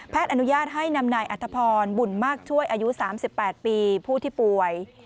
อนุญาตให้นำนายอัธพรบุญมากช่วยอายุ๓๘ปีผู้ที่ป่วย